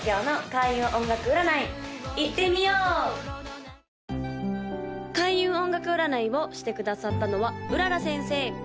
・開運音楽占いをしてくださったのは麗先生